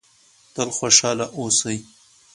تل خوشحاله اوسئ.